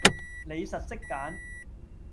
你實識揀